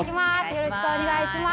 よろしくお願いします。